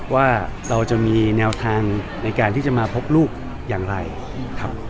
ว่าเราจะมีแนวทางในการที่จะมาพบลูกอย่างไรครับ